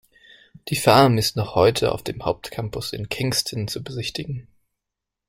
Die Farm ist noch heute auf dem Hauptcampus in Kingston zu besichtigen.